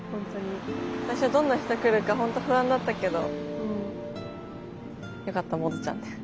最初どんな人来るか本当不安だったけどよかった百舌ちゃんで。